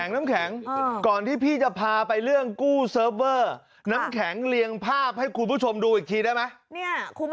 น้ำแข็งก่อนที่พี่จะพาไปเรื่องกู้เซิร์ฟเวอร์น้ำแข็งเรียงภาพให้คุณผู้ชมดูอีกทีได้ไหม